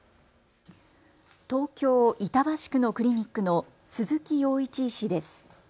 東京板橋区のクリニックの鈴木陽一医師です。